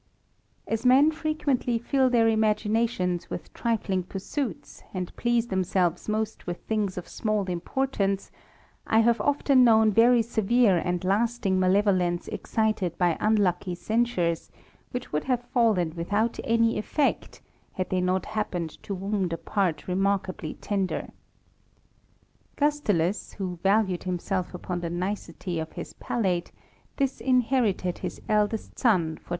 As men frequently fill their imaginations with trifling pursuits, and please themselves most with things of small importance, I have often known very severe and lasting malevolence excited by unlucky censures, which would have fallen without any effect, had they not happened to wound a part remarkably tender. Gustulus, who valued himself upon the nicety of his palate, disinherited his eldest son for 6o THE RAMBLER.